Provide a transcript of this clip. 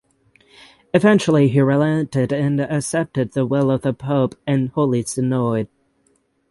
Eventually he relented and accepted the will of the Pope and Holy Synod.